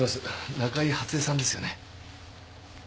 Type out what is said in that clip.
中井初枝さんですよね？